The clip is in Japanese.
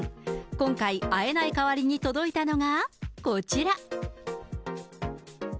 今回、会えない代わりに届いたのがこちら。